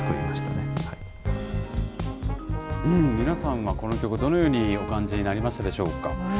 皆さんはこの曲、どのようにお感じになりましたでしょうか。